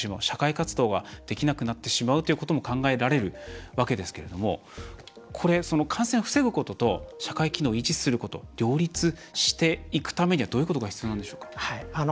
社会活動ができなくなってしまうということも考えられるわけですけども感染を防ぐことと社会機能を維持すること両立していくためにはどういうことが必要なんでしょうか？